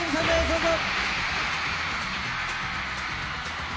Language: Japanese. どうぞ。